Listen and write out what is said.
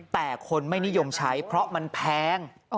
แต่คนไม่นิยมใช้เพราะมันแพง